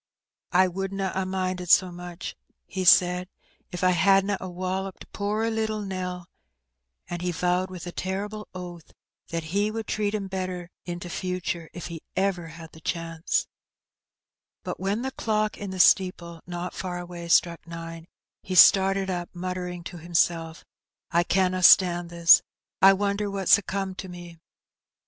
"I wouldna a minded so much/* he said, ^'if I hadna a wolloped poor little Nell;^* and he vowed with a terrible oath that '^ he would treat 'em better in t* future, if he ever had the chance/* But when the clock in the steeple not far away struck nine, he started up, muttering to himself, *' I canna stand this : I wonder what's comed to me